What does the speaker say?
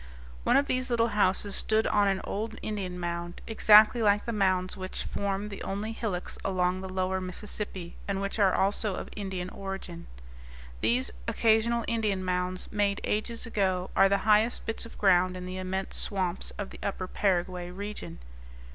One of these little houses stood on an old Indian mound, exactly like the mounds which form the only hillocks along the lower Mississippi, and which are also of Indian origin. These occasional Indian mounds, made ages ago, are the highest bits of ground in the immense swamps of the upper Paraguay region.